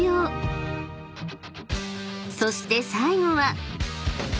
［そして最後は］